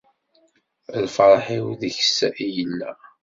Lferḥ-iw deg-s i yella.